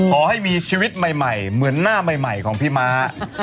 ขอให้มีชีวิตใหม่เหมือนหน้าใหม่ของพี่ม้า